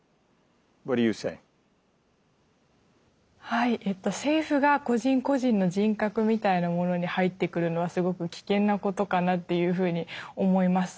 はい政府が個人個人の人格みたいなものに入ってくるのはすごく危険なことかなっていうふうに思います。